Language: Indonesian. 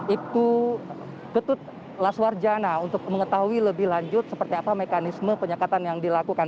ibtu ketut laswarjana untuk mengetahui lebih lanjut seperti apa mekanisme penyekatan yang dilakukan